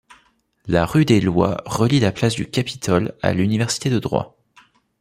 La rue des Lois relie la place du Capitole à l'université de Droit.